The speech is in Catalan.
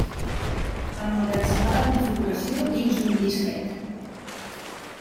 Emmagatzemar la configuració dins d'un disquet.